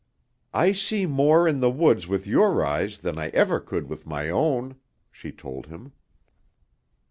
"I see more in the woods with your eyes than I ever could with my own," she told him.